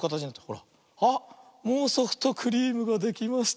もうソフトクリームができました。